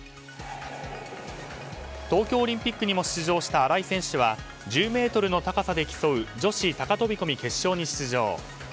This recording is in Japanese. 東京オリンピックにも出場した荒井選手は１０ｍの高さで競う女子高飛込決勝に出場。